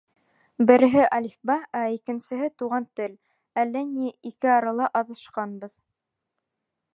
— Береһе — Әлифба, ә икенсеһе — Туған тел. Әллә ни ике арала аҙашҡанбыҙ.